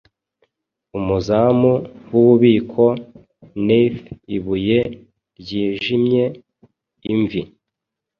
Umuzamu wububiko Neath ibuye ryijimye-imvi